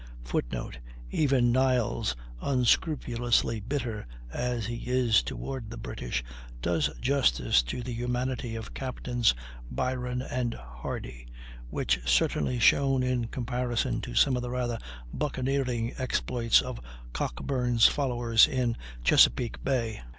[Footnote: Even Niles, unscrupulously bitter as he is toward the British, does justice to the humanity of Captains Byron and Hardy which certainly shone in comparison to some of the rather buccaneering exploits of Cockburn's followers in Chesapeake Bay.